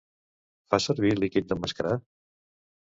Fa servir líquid d'emmascarar?